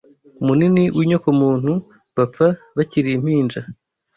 munini w’inyokomuntu bapfa bakiri impinja,